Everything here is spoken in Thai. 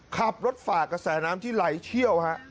ขับรถฝากกับแสนน้ำที่ไหลเที่ยวครับ